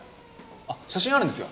あっ写真あるんですよ。